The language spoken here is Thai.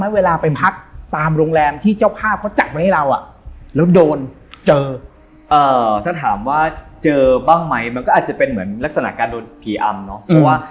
ถ้าเวลาไปพักตามโรงแรมที่เจ้าพลาดจับมาให้เราอ่ะแล้วโดนเจอถ้าถามว่าเจอบ้างไหมเป็นก็จะเป็นเหมือนลักษณะการโดนผีอำเนาะครับว่า